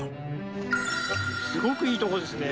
すごくいいとこですね！